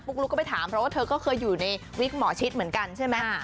ลุกก็ไปถามเพราะว่าเธอก็เคยอยู่ในวิกหมอชิดเหมือนกันใช่ไหม